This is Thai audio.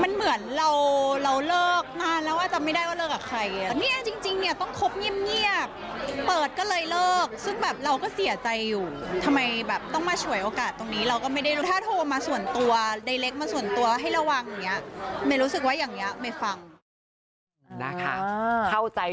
มันเหมือนเราลอกนานแล้วอาจจะไม่ได้ว่าลอกกับใคร